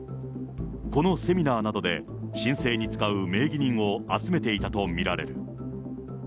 このセミナーなどで申請に使う名義人を集めていたと見られる。